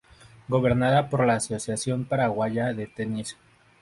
Gobernada por la Asociación Paraguaya de Tenis.